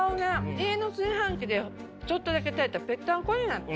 家の炊飯器でちょっとだけ炊いたらぺったんこになって。